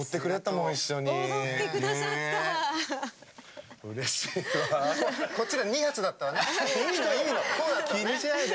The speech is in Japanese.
もう気にしないで。